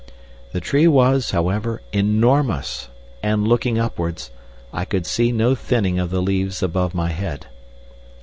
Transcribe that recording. The tree was, however, enormous, and, looking upwards, I could see no thinning of the leaves above my head.